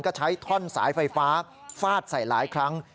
ก็ใช้ท่อนสายไฟฟ้าฟาดใส่หลายครั้ง